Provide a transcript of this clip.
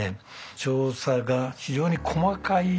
調査が非常に細かいですよね。